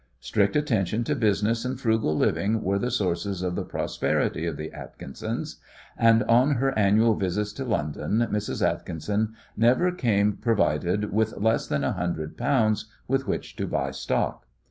Strict attention to business and frugal living were the sources of the prosperity of the Atkinsons, and, on her annual visits to London Mrs. Atkinson never came provided with less than a hundred pounds with which to buy stock.